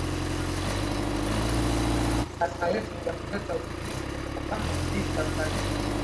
azma yetu ya kuleta utulivu na mapambano dhidi ya ugaidi